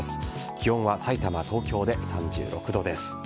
気温はさいたま、東京で３６度です。